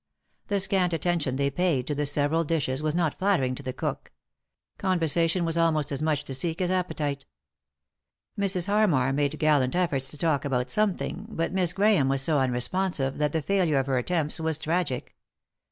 The scant attention they paid to the several dishes was not nattering to the cook. Conversation was almost as much to seek as appetite. Mrs. Harmar made gallant efforts to talk about something, but Miss Grahame was so unresponsive that the failure of her attempts was tragic.